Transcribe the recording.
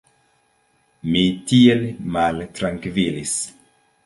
Mi tiel maltrankvilis!